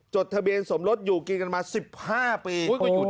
จดทะเบียนสมรสอยู่กินกันมา๑๕ปี